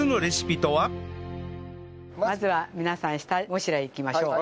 まずは皆さん下ごしらえいきましょう。